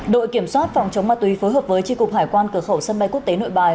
đội kiểm soát phòng chống ma túy phối hợp với tri cục hải quan cửa khẩu sân bay quốc tế nội bài